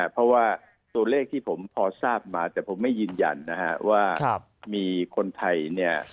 เพราะว่าตัวเลขที่ผมพอทราบมาแต่ผมไม่ยืนยันนะฮะว่ามีคนไทยเนี่ย